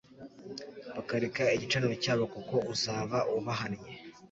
bakareka igicaniro cyabo, kuko uzaba ubahannye